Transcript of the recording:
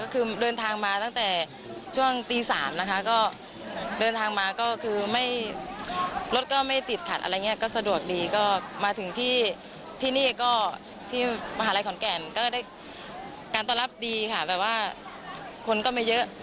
การตอบรับดีค่ะแบบว่าคนก็ไม่เยอะ